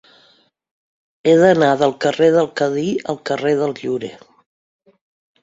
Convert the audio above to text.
He d'anar del carrer del Cadí al carrer del Llorer.